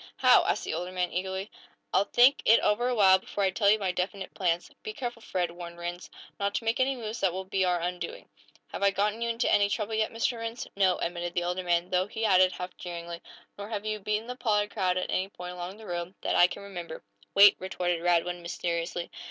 "How?" asked the older man, eagerly. "I'll think it over a while, before I tell you my definite plans." "Be careful, Fred," warned Rhinds, "not to make any moves that will be our undoing!" "Have I gotten you into any trouble yet, Mr. Rhinds?" "No," admitted the older man, though he added, half jeeringly: "Nor have you beaten the Pollard crowd at any point along the road, that I can remember." "Wait!" retorted Radwin, mysteriously.